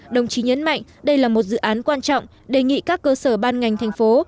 đồng chí nhấn mạnh đây là một dự án quan trọng đề nghị các cơ sở ban ngành thành phố